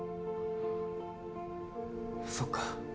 そっか。